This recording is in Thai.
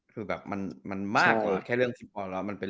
คือแบบมันมากกว่าแค่เรื่องที่ปอร์ตแล้ว